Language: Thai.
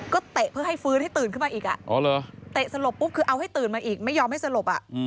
ก็เตะเพื่อให้ฟื้นให้ตื่นขึ้นมาอีกเตะสลบปุ๊บคือเอาให้ตื่นมาอีกไม่ยอมให้สลบ